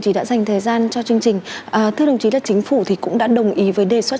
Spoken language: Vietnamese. thì đã dành thời gian cho chương trình thưa đồng chí là chính phủ thì cũng đã đồng ý với đề xuất